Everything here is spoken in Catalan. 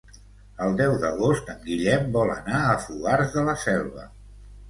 El deu d'agost en Guillem vol anar a Fogars de la Selva.